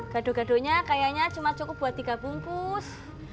gado gadonya kayaknya cuma cukup buat tiga bungkus